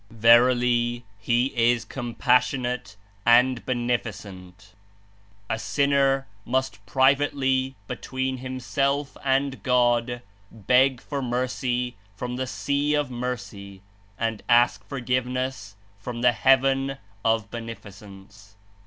Verily, He is Compassionate and Beneficent ! A sinner must 08 (privately) between himself and God beg for mercy from the Sea of Mercy and ask forgiveness from the Heaven of Beneficence."